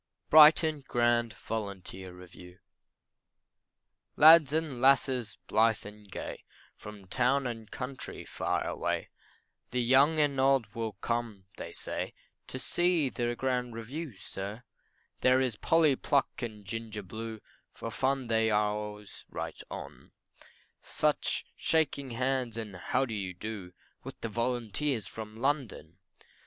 BRIGHTON GRAND VOLUNTEER REVIEW. Lads and lasses, blithe and gay, From town and country far away, The young and old will come, they say, To see the grand review, sir There is Polly Pluck and Ginger Blue, For fun they are always right on, Such shaking hands and how do you do With the volunteers from London.